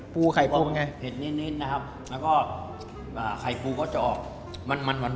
ปูไข่ปลอมไงเผ็ดเน้นนะครับแล้วก็อ่าไข่ปูก็จะออกมันมัน